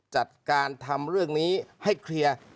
จัดการทำเรื่องนี้ให้เคลียร์